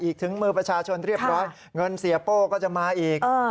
ถึงมือประชาชนเรียบร้อยเงินเสียโป้ก็จะมาอีก